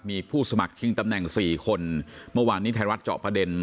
มีผู้สมัครชิงตำแหน่งสี่คนเมื่อวานนี้ไทยรัฐเจาะประเด็น